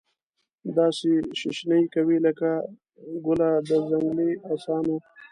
داسي شیشنی کوي لکه ګله د ځنګلې اسانو